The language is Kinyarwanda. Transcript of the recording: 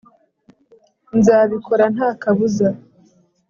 nzabikora nta kabuza